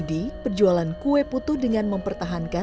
edi perjualan kue putu dengan mempertimbangkan